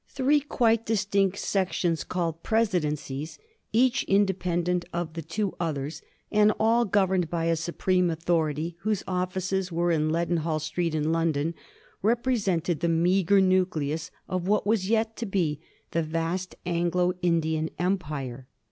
Three quite distinct sections, called presidencies, each independent of the two others, and all governed by a supreme authority whose offices were in Leadenhall Street in London, represented the meagre nucleus of what was yet to be the vast Anglo Indian Empire.